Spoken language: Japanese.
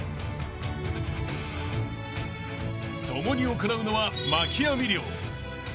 ［共に行うのはまき網漁］